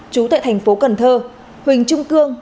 chú tại thành phố cần thơ huỳnh trung cương